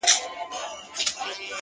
• د لړم په څېر يې وار لکه مرگى وو,